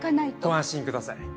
ご安心ください。